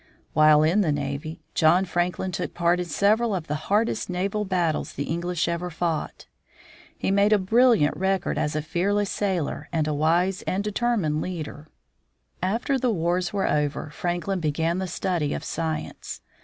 While in the navy, John Franklin took part in several of the hardest naval battles the English ever fought. He made a bril liant record as a fearless sailor and a wise and determined leader. Sir John Franklin. IO THE FROZEN NORTH After the wars were over, Franklin began the study of science.